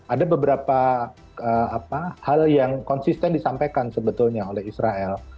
ada beberapa hal yang konsisten disampaikan sebetulnya oleh israel